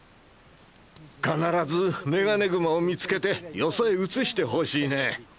必ずメガネグマを見つけてよそへ移してほしいね。